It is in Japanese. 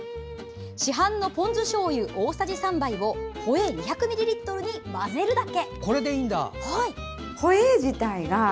市販のポン酢しょうゆ大さじ３杯をホエー２００ミリリットルに混ぜるだけ。